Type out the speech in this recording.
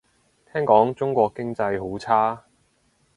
聽講中國經濟好差